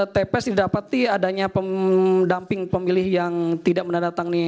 tps didapati adanya pendamping pemilih yang tidak menandatangani